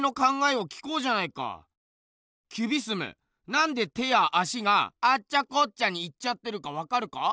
なんで手や足がアッチャコッチャにいっちゃってるかわかるか？